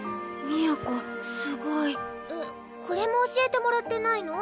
都すごいえっこれも教えてもらってないの？